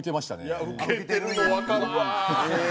いや受けてるのわかるわ。